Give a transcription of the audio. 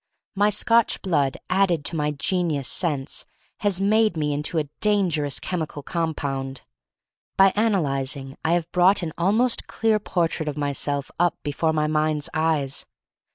My Scotch blood added to my genius sense has made me into a dangerous chemical compound. By analyzing I have brought an almost clear portrait of myself up before my mind's eyes.